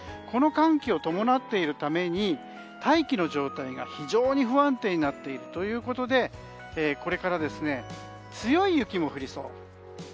この寒気を伴っているために大気の状態が非常に不安定になっているということでこれから強い雪も降りそう。